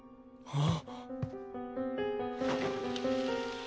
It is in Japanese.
ああ！